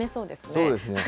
そうですね。